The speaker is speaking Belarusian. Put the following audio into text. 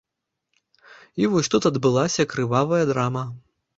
І вось тут адбылася крывавая драма.